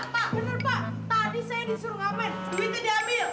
tadi saya disuruh ngapain duitnya diambil